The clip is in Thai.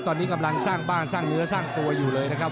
ตอนนี้กำลังสร้างบ้านสร้างเนื้อสร้างตัวอยู่เลยนะครับ